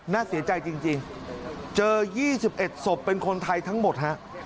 น่าเสียใจจริงจริงเจอยี่สิบเอ็ดศพเป็นคนไทยทั้งหมดฮะ